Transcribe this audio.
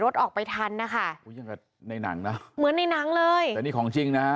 ออกไปทันนะคะอุ้ยอย่างกับในหนังนะเหมือนในหนังเลยแต่นี่ของจริงนะฮะ